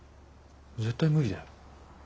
絶対無理だよ。